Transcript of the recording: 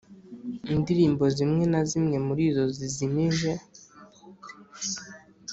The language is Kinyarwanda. Indirimbo zimwe na zimwe muri izo zijimije